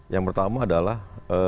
yang pertama adalah